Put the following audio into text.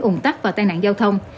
ủng tắc và tai nạn giao thông